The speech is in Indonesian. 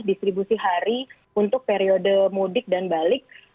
distribusi hari untuk periode mudik dan balik